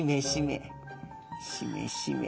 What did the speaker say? しめしめ？